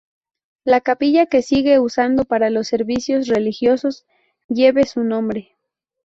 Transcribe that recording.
La Capilla que se sigue usando para los servicios religiosos lleve su nombre.